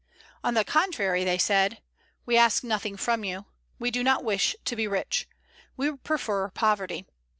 On the contrary they said, "We ask nothing from you. We do not wish to be rich. We prefer poverty.